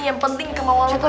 yang penting kemauan lo mencapai